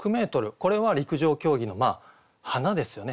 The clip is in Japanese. これは陸上競技の華ですよね。